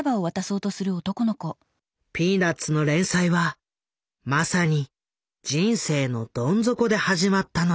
「ピーナッツ」の連載はまさに人生のどん底で始まったのだ。